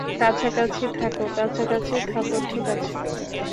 কাছাকাছি থাকো কাছাকাছি থাকো ঠিক আছে?